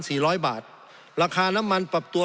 สงบจนจะตายหมดแล้วครับ